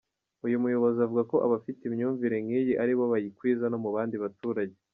Uyu muyobozi avuga ko abafite imyumvire nk’iyi aribo bayikwiza no mu bandi baturage.